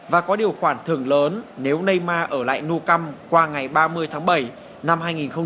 và có điều khoản thưởng lớn nếu neymar ở lại nou camp qua ngày ba mươi tháng bảy năm hai nghìn một mươi bảy